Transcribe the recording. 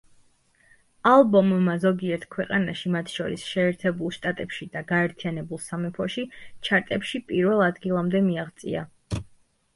ალბომმა ზოგიერთ ქვეყანაში, მათ შორის შეერთებულ შტატებში და გაერთიანებულ სამეფოში, ჩარტებში პირველ ადგილამდე მიაღწია.